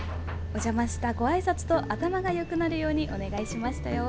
お邪魔したごあいさつと頭がよくなるようにお願いしましたよ。